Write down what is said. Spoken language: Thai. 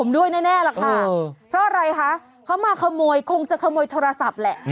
ด้วยแน่ล่ะค่ะเพราะอะไรคะเขามาขโมยคงจะขโมยโทรศัพท์แหละ